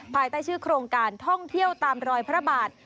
ภายใต้ชื่อโครงการท่องเที่ยวตามรอยพระบาท